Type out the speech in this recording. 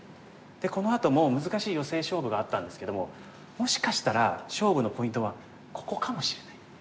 このあとも難しいヨセ勝負があったんですけどももしかしたら勝負のポイントはここかもしれない。